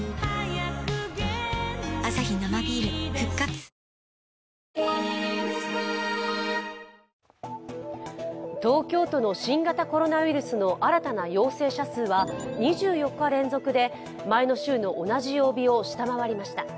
対する野党は東京都の新型コロナウイルスの新たな陽性者数は２４日連続で前の週の同じ曜日を下回りました。